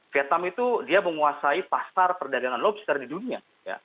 vietnam itu dia menguasai pasar perdagangan lobster di dunia